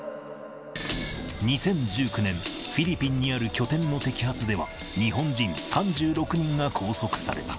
２０１９年、フィリピンにある拠点の摘発では、日本人３６人が拘束された。